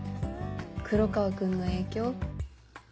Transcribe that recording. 黒川君の影響？